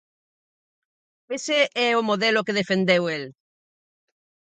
Ese é o modelo que defendeu el.